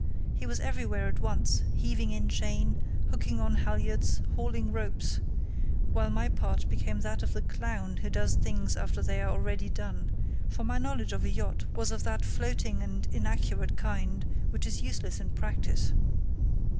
He was everywhere at once—heaving in chain, hooking on halyards, hauling ropes; while my part became that of the clown who does things after they are already done, for my knowledge of a yacht was of that floating and inaccurate kind which is useless in practice.